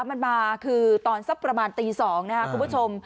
มันมาคือตอนสักประมาณตี๒นะครับคุณผู้ชม